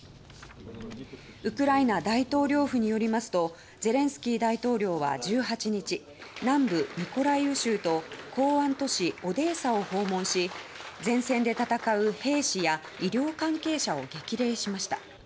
ウクライナ大統領府によりますとゼレンスキー大統領は１８日南部ミコライウ州と港湾都市オデーサを訪問し前線で戦う兵士や医療関係者を激励しました。